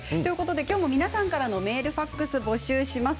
今日も皆さんからのメールファックスを募集します。